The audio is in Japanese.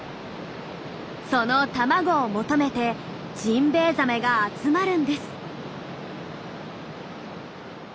その卵を求めてジンベエザメが集まるんです。